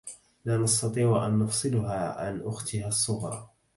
لا نستطيع ان نفصلها عن اختها الصُغرى